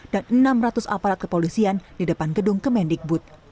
dan enam ratus aparat kepolisian di depan gedung kemendikbud